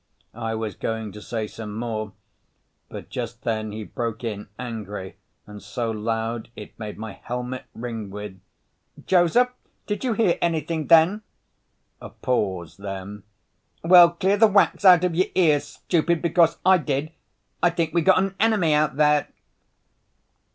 I was going to say some more, but just then he broke in, angry and so loud it made my helmet ring, with, "Joseph! Did you hear anything then?" A pause, then, "Well, clean the wax out of your ears, stupid, because I did! I think we got an enemy out there!"